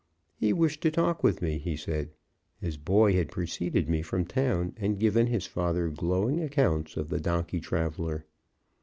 He wished to talk with me, he said. His boy had preceded me from town and given his father glowing accounts of the donkey traveler.